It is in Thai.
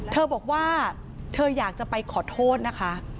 เธอบอกว่าเธออยากจะไปขอโทษนะคะ